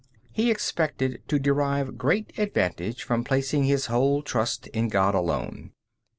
He expected to derive great advantage from placing his whole trust in God alone.